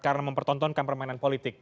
karena mempertontonkan permainan politik